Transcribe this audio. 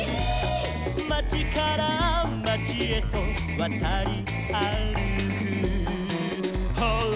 「まちからまちへとわたりあるく」「」